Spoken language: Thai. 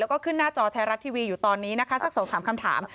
แล้วก็ขึ้นหน้าจอไทยรัฐทีวีอยู่ตอนนี้นะคะสัก๒๓คำถาม